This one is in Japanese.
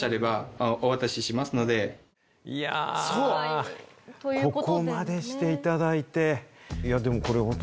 いやここまでしていただいて。